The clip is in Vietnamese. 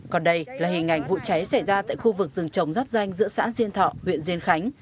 còn đây là hình ảnh vụ cháy xảy ra tại khu vực rừng trồng giáp danh giữa xã diên thọ huyện diên khánh